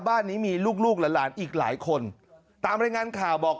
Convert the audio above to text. บ้านนี้มีลูกลูกหลานอีกหลายคนตามรายงานข่าวบอก